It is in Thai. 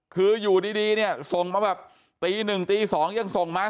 คืออยู่ดีเนี่ยส่งมาแบบตีหนึ่งตี๒ยังส่งมา